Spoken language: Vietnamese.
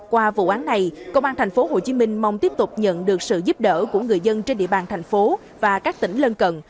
qua vụ án này công an thành phố hồ chí minh mong tiếp tục nhận được sự giúp đỡ của người dân trên địa bàn thành phố và các tỉnh lân cận